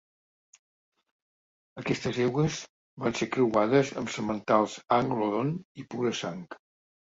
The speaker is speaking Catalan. Aquestes eugues van ser creuades amb sementals Anglo-Don i pura sangs.